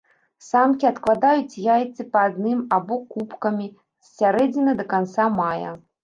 Самкі адкладаюць яйцы па адным або купкамі з сярэдзіны да канца мая.